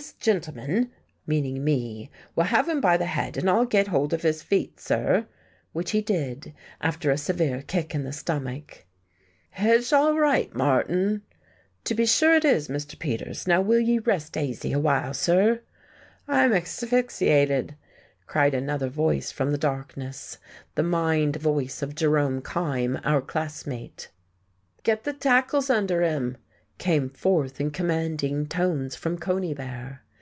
"This gintleman" (meaning me) "will have him by the head, and I'll get hold of his feet, sir." Which he did, after a severe kick in the stomach. "Head'sh all right, Martin." "To be sure it is, Mr. Peters. Now will ye rest aisy awhile, sir?" "I'm axphyxiated," cried another voice from the darkness, the mined voice of Jerome Kyme, our classmate. "Get the tackles under him!" came forth in commanding tones from Conybear.